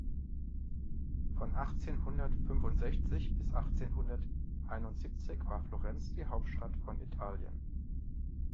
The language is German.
Von achtzehn-hundert-fünfundsechzig bis achtzehn-hundert-einundsiebzig war Florenz die Hauptstadt von Italien.